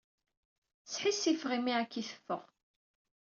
Sḥissifeɣ imi akka i teffeɣ.